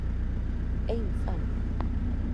¡É infame!